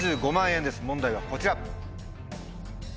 問題はこちら。